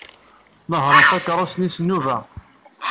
Nehṛen takeṛṛust-nni s nnuba.